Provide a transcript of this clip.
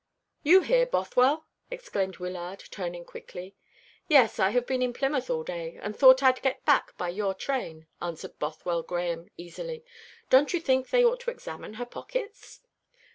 "You here, Bothwell?" exclaimed Wyllard, turning quickly. "Yes, I have been in Plymouth all day, and thought I'd get back by your train," answered Bothwell Grahame easily. "Don't you think they ought to examine her pockets?"